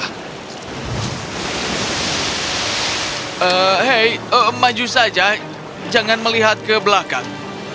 hei maju saja jangan melihat ke belakang